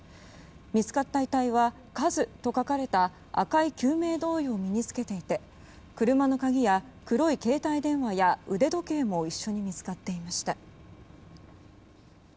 見つかった遺体は「ＫＡＺＵ」と書かれた赤い救命胴衣を身に着けていて車の鍵や黒い携帯電話や腕時計も一緒に見つかっていました。